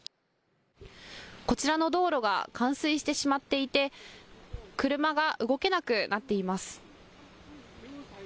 こちらの道路が冠水してしまっていて車が動けなくなっています。